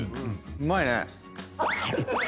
うまいね。